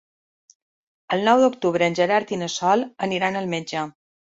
El nou d'octubre en Gerard i na Sol aniran al metge.